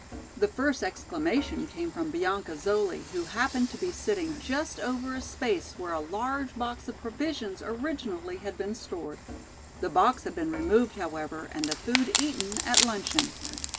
The first exclamation came from Bianca Zoli who happened to be sitting just over a space where a large box of provisions originally had been stored. The box had been removed, however, and the food eaten at luncheon.